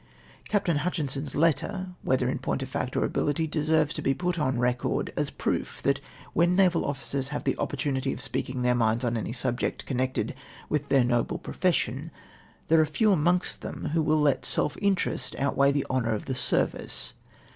Capt. Hutchinson's letter, whether in point of fact or abihty, deserves to be put on record as a proof that when naval officers have the op})ortunity of speaking their minds on any subject connected with their noble profession, there are few amongst them who will let self interest outw^ei^h the honour of the service.